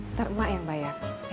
ntar mak yang bayar ya